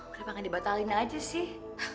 kenapa gak dibatalin aja sih